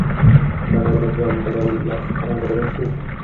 সকালে জমকালো নাস্তা করেছি।